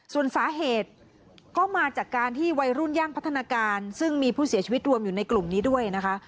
ส่วนสาเหตุก็มาจากการที่วัยรุ่นย่านพัฒนาการซึ่งมีผู้เสียชีวิตรวมอยู่ในกลุ่มนี้ด้วยนะคะ